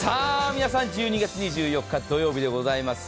皆さん１２月２４日土曜日でございます。